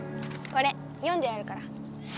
これ読んであるから。